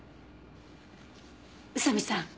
宇佐見さん